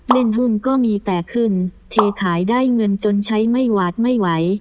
เล่นหุ้นก็มีแต่ขึ้นเทขายได้เงินจนใช้ไม่หวาดไม่ไหว